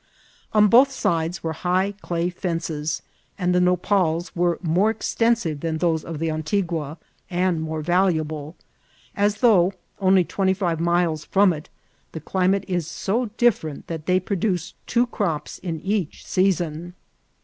Oi both sides were high clay fences, and the nopals were more extensive than those of the Antigua, and more valuable. A E0TIN6 AMERICAN. 906 My though only twenty five miles from it, the climate is •o different that they produce two crops in each season.